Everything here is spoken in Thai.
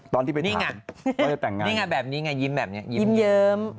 ตอนที่ไปถามต้องจะแต่งงานนี่ไงนี่ไงแบบนี้ไงยิ้มแบบนี้ยิ้มเยิ้ม